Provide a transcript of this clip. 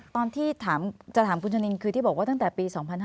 ตอนที่จะถามคุณชะนินคือที่บอกว่าตั้งแต่ปี๒๕๕๙